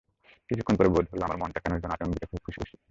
কিছুক্ষণ পরে বোধ হলো আমার মনটা কেন যেন আচম্বিতে খুব খুশি খুশি।